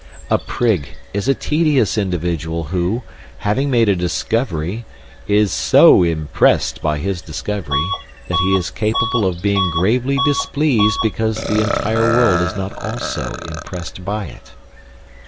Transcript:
A prig is a tedious individual who, having made a discovery, is so impressed by his discovery that he is capable of being gravely displeased because the entire world is not also impressed by it.